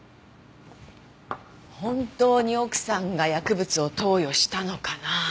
本当に奥さんが薬物を投与したのかな？